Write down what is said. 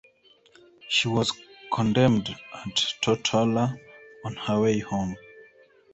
She was condemned at Tortola on her way home.